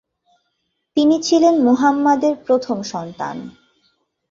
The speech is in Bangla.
তিনি ছিলেন মুহাম্মাদের প্রথম সন্তান।